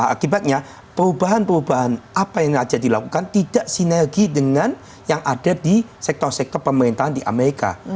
akibatnya perubahan perubahan apa yang aja dilakukan tidak sinergi dengan yang ada di sektor sektor pemerintahan di amerika